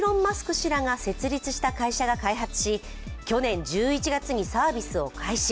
氏らが設立した会社が開発し、去年１１月にサービスを開始。